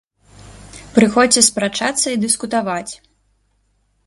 Прыходзьце спрачацца і дыскутаваць!